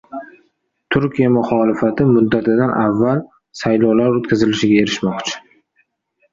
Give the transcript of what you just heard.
Turkiya muxolifati muddatidan avval saylovlar o‘tkazilishiga erishmoqchi